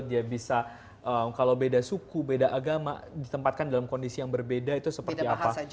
dia bisa kalau beda suku beda agama ditempatkan dalam kondisi yang berbeda itu seperti apa